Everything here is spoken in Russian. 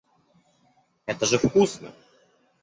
Это же вкусно.